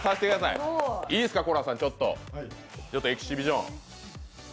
いいすか、ＣｏＬｏＡさんちょっとエキシビション。